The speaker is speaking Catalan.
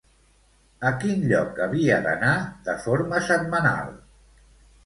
A quin lloc havia d'anar de forma setmanal?